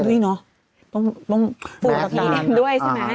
อุ๊ยเนอะต้องฝุมกุบทีด้วยใช่ไหม